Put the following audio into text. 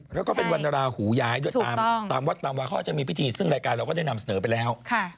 แล้วก็เป็นวันราหูย้ายด้วยตามวัดตามวัดเขาก็จะมีพิธีซึ่งรายการเราก็ได้นำเสนอไปแล้ว